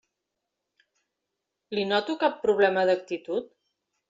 Li noto cap problema d'actitud?